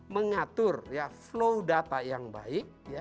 mengatur flow data yang baik